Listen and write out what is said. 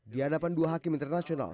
di hadapan dua hakim internasional